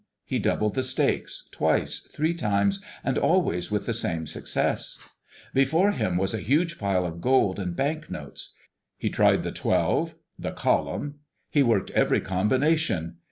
He doubled the stakes, twice, three times, and always with the same success. Before him was a huge pile of gold and bank notes. He tried the "twelve," the "column," he worked every combination.